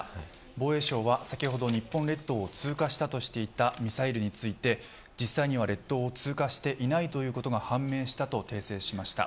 防衛省は先ほど日本列島を通過したといったミサイルについて実際日本列島を通過していないということが判明したと訂正しました。